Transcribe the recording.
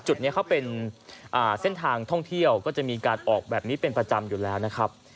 จุดนี้เขาเป็นเส้นทางท่องเที่ยวก็จะมีการออกแบบนี้เป็นประจำอยู่แล้วนะครับ